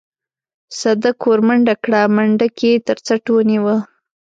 صدک ورمنډه کړه منډک يې تر څټ ونيوه.